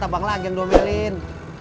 abang lah ageng domelin